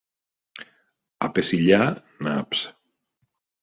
A Pesillà, naps.